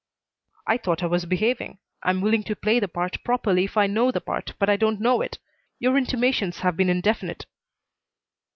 "I thought I was behaving. I'm willing to play the part properly if I know the part, but I don't know it. Your intimations have been indefinite."